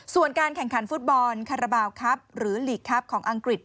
ส่วนการแข่งขันฟุตบอลคาราบาลครับหรือหลีกครับของอังกฤษ